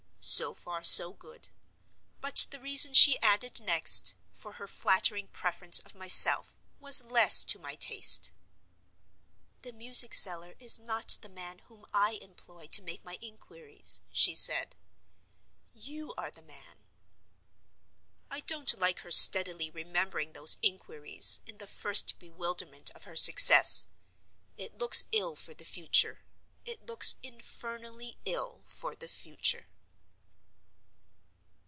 So far so good. But the reason she added next, for her flattering preference of myself, was less to my taste. "The music seller is not the man whom I employ to make my inquiries," she said. "You are the man." I don't like her steadily remembering those inquiries, in the first bewilderment of her success. It looks ill for the future; it looks infernally ill for the future.